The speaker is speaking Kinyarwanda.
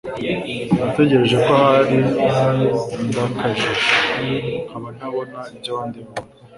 natekereje ko ahari ndakajiji nkaba ntabona ibyo abandi babona